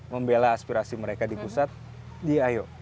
membela aspirasi mereka di pusat di ayo